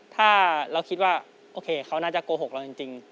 ถ้าเราคิดว่าโอเคเขาน่าจะโกหกเราจริง